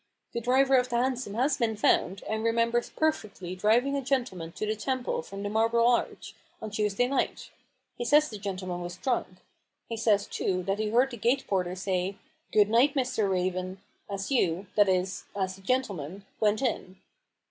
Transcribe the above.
The driver of the hansom has been found, and remembers perfectly driving a gentleman to the Temple from the Marble Arch, on Tues day night. He says the gentleman was drunk. He says, too, that he heard the gate porter say: f Good night, Mr. Raven,' as you — that is, as the gentleman went in."